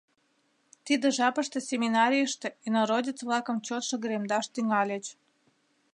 Тиде жапыште семинарийыште «инородец-влакым» чот шыгыремдаш тӱҥальыч.